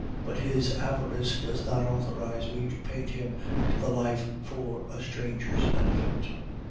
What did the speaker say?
'But his avarice does not authorize me to paint him to the life for a stranger's benefit.